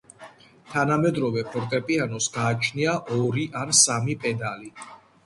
თანამედროვე ფორტეპიანოს გააჩნია ორი ან სამი პედალი.